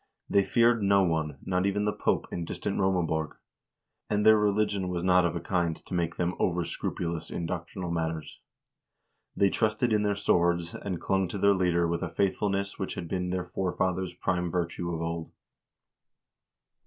They feared no one, not even the Pope in distant Romaborg, and their religion was not of a kind to make them over scrupulous in doctrinal matters. They trusted in their swords, and clung to their leader with a faith fulness which had been their forefathers' prime virtue of old.